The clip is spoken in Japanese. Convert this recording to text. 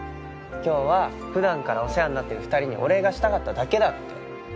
今日は普段からお世話になってる２人にお礼がしたかっただけだって。